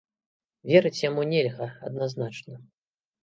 Верыць яму нельга, адназначна.